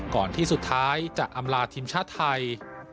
ก่อนที่สุดท้าวน์อัมราธิมชาติไทย